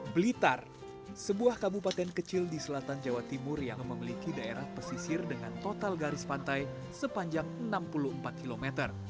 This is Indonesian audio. blitar sebuah kabupaten kecil di selatan jawa timur yang memiliki daerah pesisir dengan total garis pantai sepanjang enam puluh empat km